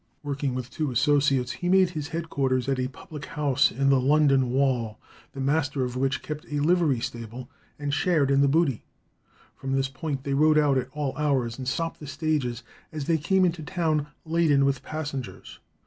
Working with two associates, he made his headquarters at a public house in the London Wall, the master of which kept a livery stable, and shared in the booty. From this point they rode out at all hours and stopped the stages as they came into town laden with passengers.